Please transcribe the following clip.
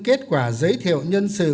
kết quả giới thiệu nhân sự